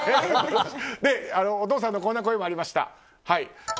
お父さんのこんな声もありました。